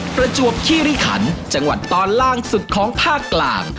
ประจวบคิริขันจังหวัดตอนล่างสุดของภาคกลาง